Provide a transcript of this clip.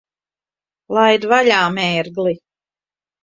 Laid vaļā, mērgli!